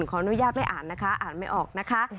ขออนุญาตไม่อ่านนะคะอ่านไม่ออกนะคะ